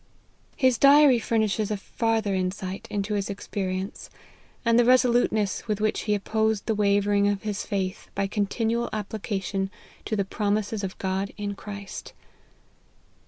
" His diary furnishes a farther insight into his experience, and the resoluteness with which he opposed the wavering of his faith by continual application to the promises of God in Christ.